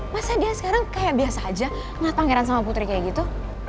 masa dia sekarang kayak biasa aja ngena pangeran sama putri kayak gitu